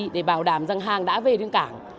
để bảo đảm rằng hàng đã về đến cảng